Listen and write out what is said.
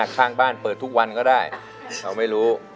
ถึงทุกวันก็ได้เราไม่รู้